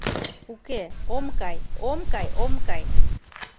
Уке, ом кай, ом кай, ом кай.